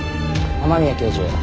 雨宮教授